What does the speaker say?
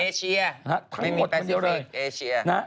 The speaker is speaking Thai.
เอเชียไม่มีแปซิริกเอเชีย